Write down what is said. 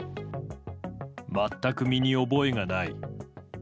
全く身に覚えがない。